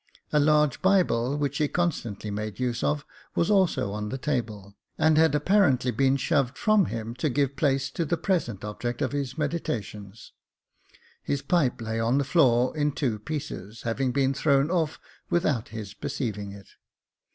A large Bible, which he constantly made use of, was also on the table, and had apparently been shoved from him to give place to the present object of his meditations. His pipe lay on the floor, in two pieces, having been thrown off without his perceiving it.